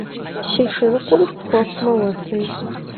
Си шырыкъур пхуэхъумэ, уэстынщ.